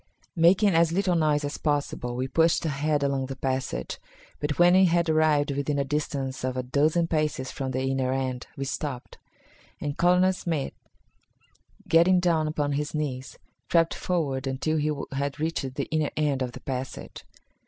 Making as little noise as possible, we pushed ahead along the passage, but when we had arrived within a distance of a dozen paces from the inner end, we stopped, and Colonel Smith, getting down upon his knees, crept forward until he had reached the inner end of the passage.